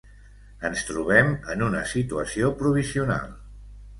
Ens trobem en una situació provisional.